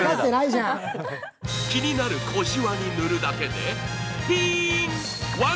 気になる小じわに塗るだけでピーン。